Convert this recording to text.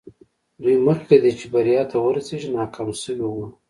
دوی مخکې له دې چې بريا ته ورسېږي ناکام شوي وو.